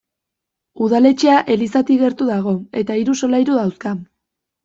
Udaletxea elizatik gertu dago, eta hiru solairu dauzka.